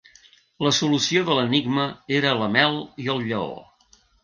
La solució de l'enigma era la mel i el lleó.